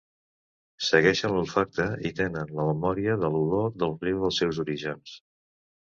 Segueixen l'olfacte i tenen la memòria de l'olor del riu dels seus orígens.